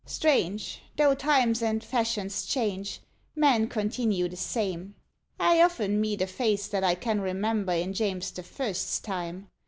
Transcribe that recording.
Strange, though times and fashions change, men continue the same. I often meet a face that I can remember in James the First's time.